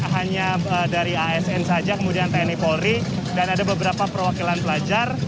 hanya dari asn saja kemudian tni polri dan ada beberapa perwakilan pelajar